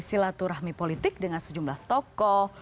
silaturahmi politik dengan sejumlah tokoh